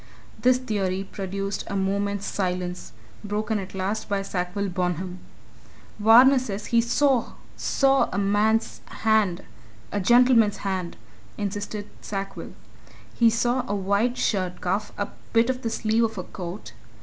This theory produced a moment's silence broken at last by Sackville Bonham. "Varner says he saw saw! a man's hand, a gentleman's hand," insisted Sackville. "He saw a white shirt cuff, a bit of the sleeve of a coat.